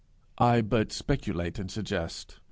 I but speculate and suggest.